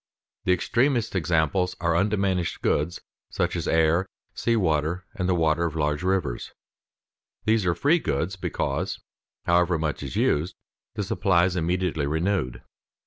_ The extremest examples are undiminished goods such as air, sea water, the water of large rivers. These are free goods because, however much is used, the supply is immediately renewed.